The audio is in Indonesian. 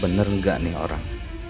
bener gak nih orang